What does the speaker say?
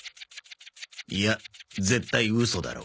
いや絶対ウソだろ。